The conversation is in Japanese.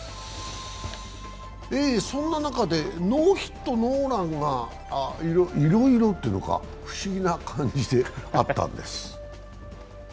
そんな中でノーヒットノーランがいろいろっていうのか不思議な感じであったんです。